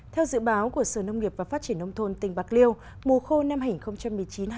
theo dự báo của sở nông nghiệp và phát triển nông thôn tỉnh bạc liêu mùa khô năm hai nghìn một mươi chín hai nghìn hai mươi